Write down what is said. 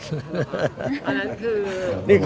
อันนั้นคือ